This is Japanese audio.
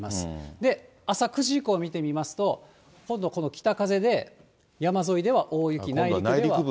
で、朝９時以降を見てみますと、今度この北風で、山沿いでは大雪、内陸部では。